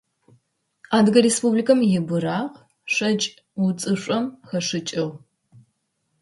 Адыгэ Республикэм и быракъ шэкӏ уцышъом хэшӏыкӏыгъ.